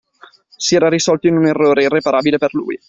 Si era risolto in un errore irreparabile per lui.